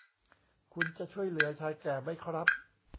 คุณจะช่วยเหลือชายแก่มั้ยครับ